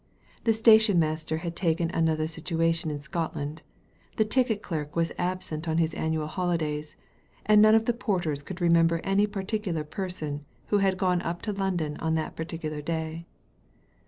The station master had taken another situation in Scotland, the ticket clerk was absent on his annual holidays, and none of the porters could remember any particular person who had gone up to London on that particular day.